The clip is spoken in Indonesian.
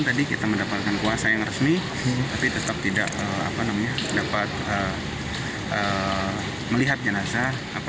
tadi kita mendapatkan kuasa yang resmi tapi tetap tidak dapat melihat jenazah